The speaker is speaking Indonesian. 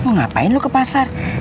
ngapain lu ke pasar